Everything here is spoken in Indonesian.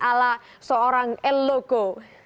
ala seorang eloko